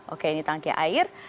oke ini tangki air